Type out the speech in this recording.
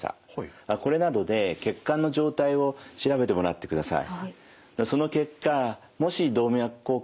これなどで血管の状態を調べてもらってください。